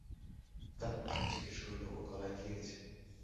তারপর সে জিজ্ঞাসা করিল, ওর গলায় কী হয়েছে?